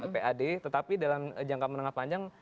pad tetapi dalam jangka menengah panjang